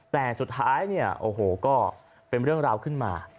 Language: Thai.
แต่สุดท้ายเนี่ยโอ้โหก็เป็นเรื่องราวขึ้นมา